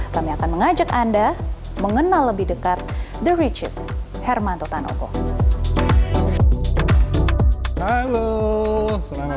kami akan mengajak anda mengenal lebih dekat the riches hermanto tanoko